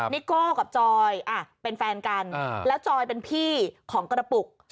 นิโก้กับจอยเป็นแฟนกันแล้วจอยเป็นพี่ของกระปุก